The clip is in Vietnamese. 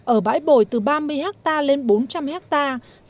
ở bãi bồi từ ba mươi hectare lên bốn trăm linh hectare